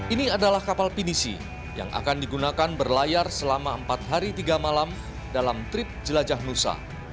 ini adalah kapal pinisi yang akan digunakan berlayar selama empat hari tiga malam dalam trip jelajah nusa